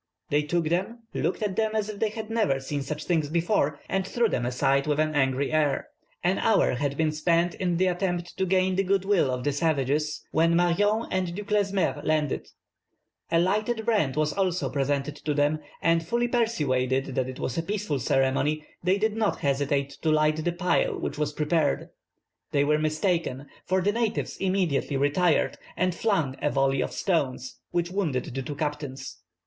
They took them, looked at them as if they had never seen such things before, and threw them aside with an angry air." [Illustration: "A lighted brand was also presented to them."] An hour had been spent in the attempt to gain the good will of the savages, when Marion and Du Clesmeur landed. A lighted brand was also presented to them, and fully persuaded that it was a peaceful ceremony, they did not hesitate to light the pile which was prepared. They were mistaken, for the natives immediately retired and flung a volley of stones, which wounded the two captains.